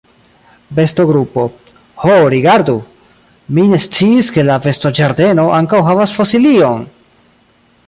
Bestogrupo: "Ho rigardu! Mi ne sciis ke la bestoĝardeno ankaŭ havas fosilion!"